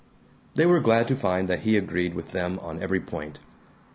They were glad to find that he agreed with them on every point.